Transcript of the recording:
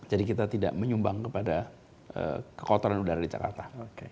jadi kita tidak menyumbang kepada kekotoran udara di jakarta